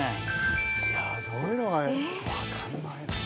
いやどういうのが分かんないな。